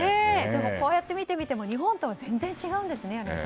こうやって見てみても日本とは全然違うんですね。